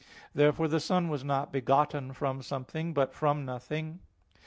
Therefore the Son was not begotten from something, but from nothing.